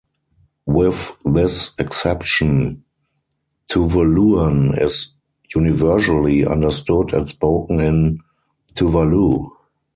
With this exception, Tuvaluan is universally understood and spoken in Tuvalu.